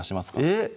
えっ？